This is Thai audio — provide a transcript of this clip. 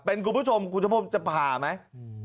เป็นคุณผู้ชมคุณชมพบจะผ่าไหม